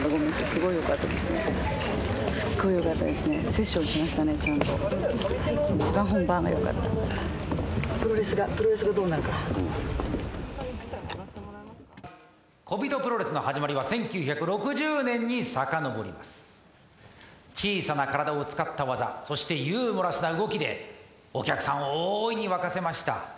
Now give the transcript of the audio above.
すっごいよかったですねセッションしましたねちゃんと一番本番がよかったプロレスがプロレスがどうなるか小人プロレスの始まりは１９６０年にさかのぼります小さな体を使った技そしてユーモラスな動きでお客さんを大いに沸かせました